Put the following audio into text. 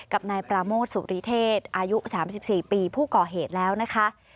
กับนายปราโมทสุริเทศอายุ๓๔ปีผู้ก่อเหตุแล้วนะคะ